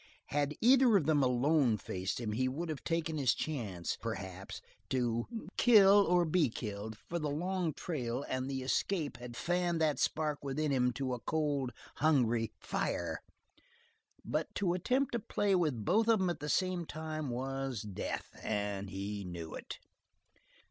Had either of them alone faced him, he would have taken his chance, perhaps, to kill or be killed, for the long trail and the escape had fanned that spark within him to a cold, hungry fire; but to attempt a play with both at the same time was death, and he knew it.